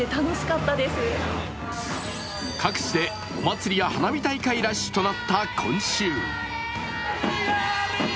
各地でお祭りや花火大会ラッシュとなった今週。